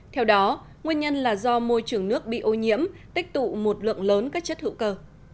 theo đó nguyên nhân là do môi trường nước bị ô nhiễm tích tụ một lượng lớn các chất hữu cơ